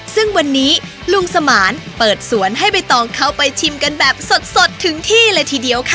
ซึ่งวันนี้ลุงสมานเปิดสวนให้ใบตองเข้าไปชิมกันแบบสดถึงที่เลยทีเดียวค่ะ